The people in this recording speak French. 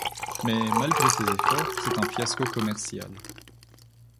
Mais, malgré ses efforts, c'est un fiasco commercial.